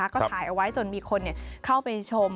ก็ถ่ายเอาไว้จนมีคนเข้าไปชม